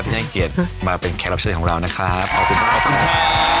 ให้เกียรติมาเป็นแขกรับเชิญของเรานะครับขอบคุณครับขอบคุณครับ